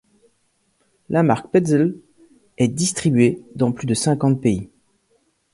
La marque Petzl est distribuée dans plus de cinquante pays.